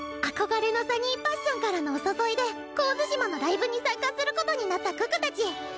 憧れのサニーパッションからのお誘いで神津島のライブに参加することになった可可たち。